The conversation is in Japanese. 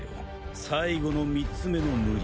最後の３つ目の無理。